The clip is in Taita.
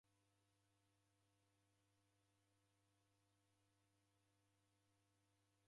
Kwaki kwakora taa nadime?